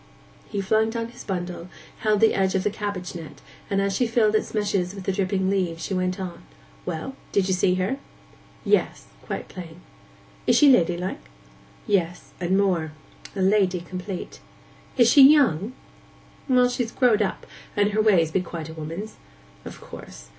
He flung down his bundle, held the edge of the cabbage net, and as she filled its meshes with the dripping leaves she went on, 'Well, did you see her?' 'Yes; quite plain.' 'Is she ladylike?' 'Yes; and more. A lady complete.' 'Is she young?' 'Well, she's growed up, and her ways be quite a woman's.' 'Of course.